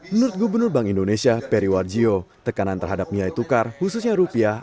menurut gubernur bank indonesia periwarjio tekanan terhadap nilai tukar khususnya rupiah